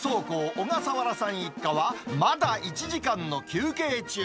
小笠原さん一家は、まだ１時間の休憩中。